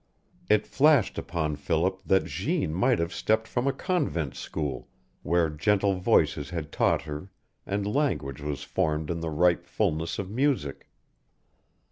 It flashed upon Philip that Jeanne might have stepped from a convent school, where gentle voices had taught her and language was formed in the ripe fullness of music.